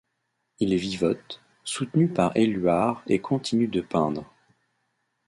Il vivote, soutenu par Éluard et continue de peindre.